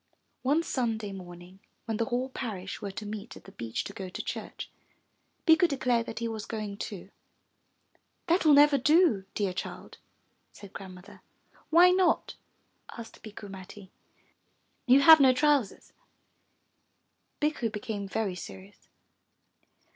One Sunday morning when the whole parish were to meet at the beach to go to church, Bikku declared that he was going too. That will never do, dear child,'* said Grandmother. 'Why not?" asked Bikku Matti. You have no trousers.'' Bikku became very serious.